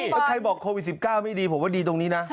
ประเทศไพรไม่มีบ่อน